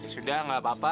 sudah tidak apa apa